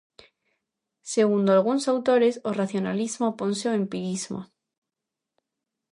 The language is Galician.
Segundo algúns autores, o racionalismo oponse ao empirismo.